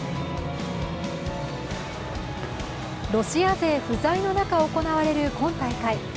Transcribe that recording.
ロシア勢不在の中行われる今大会。